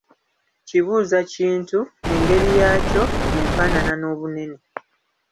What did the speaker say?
Kibuuza kintu, engeri yaakyo, enfaanana n'obunene.